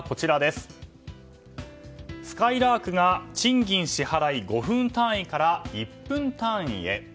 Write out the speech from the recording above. すかいらーくが賃金支払い５分単位から１分単位へ。